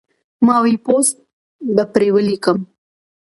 ما وې پوسټ به پرې وليکم